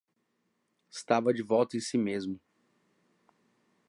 Estava de volta em si mesmo.